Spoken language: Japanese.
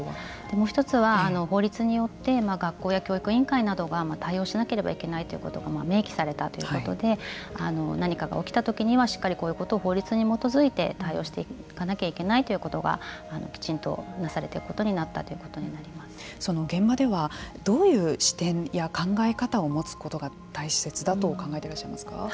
もう一つは法律によって学校や教育委員会などが対応しなければいけないということが明記されたということで何かが起きたときにはしっかりこういうことを法律に基づいて対応していかなきゃいけないということがきちんとなされているその現場ではどういう視点や考え方を持つことが大切だと考えていらっしゃいますか。